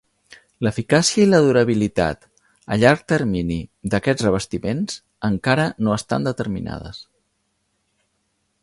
L'eficàcia i la durabilitat a llarg termini d'aquests revestiments encara no estan determinades.